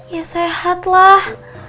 ya sehat lah